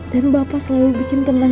dan bapak selalu bikin tenang dewi